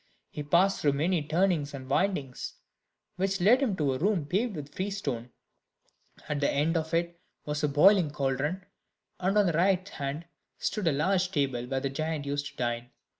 He passed through many turnings and windings, which led him to a room paved with freestone; at the end of it was a boiling cauldron, and on the right hand stood a large table, where the giants used to dine.